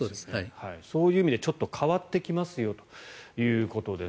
そういう意味でちょっと変わってきますよということです。